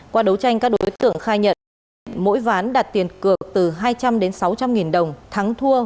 qua đấu tranh các đối tượng khai nhận mỗi ván đạt tiền cược từ hai trăm linh đến sáu trăm linh nghìn đồng thắng thua